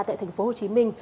tại thành phố hồ chí minh